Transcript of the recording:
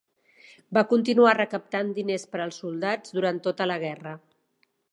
Va continuar recaptant diners per als soldats durant tota la guerra.